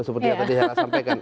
seperti yang tadi saya sampaikan